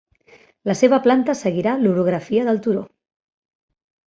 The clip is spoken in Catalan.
La seva planta seguiria l'orografia del turó.